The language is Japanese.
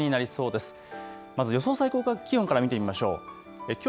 まず予想最高気温から見てみましょう。